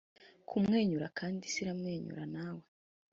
kumwenyura kandi isi iramwenyura nawe,